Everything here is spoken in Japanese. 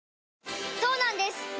そうなんです